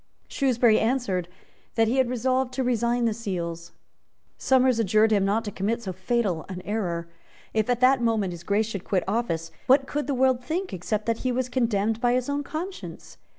Shrewsbury answered that he had resolved to resign the seals. Somers adjured him not to commit so fatal an error. If at that moment His Grace should quit office, what could the world think, except that he was condemned by his own conscience?